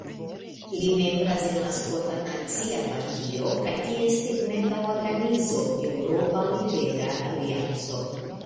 Li membras en la Skota Nacia Partio kaj ties tegmenta organizo Eŭropa Libera Alianco.